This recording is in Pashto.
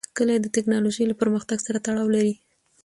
کلي د تکنالوژۍ له پرمختګ سره تړاو لري.